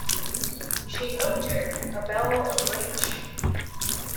She uttered a bellow of rage.